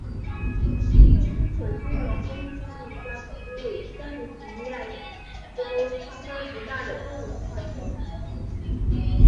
魏斯可金融公司是一家总部位于加尼福尼亚州帕萨迪纳的多元化金融企业。